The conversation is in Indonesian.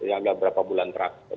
agak berapa bulan terakhir